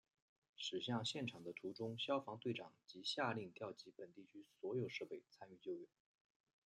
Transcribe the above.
驶向现场的途中消防队长即下令调集本地区所有设备参与救援。